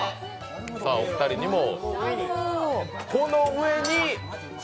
お二人にも、この上に？